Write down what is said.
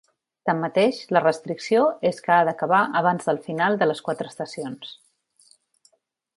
Tanmateix, la restricció és que ha d'acabar abans del final de les quatre estacions.